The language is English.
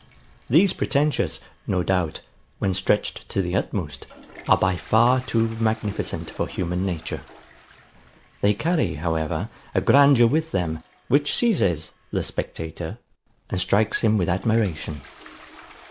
These pretentious, no doubt, when stretched to the utmost, are by far too magnificent for human nature. They carry, however, a grandeur with them, which seizes the spectator, and strikes him with admiration.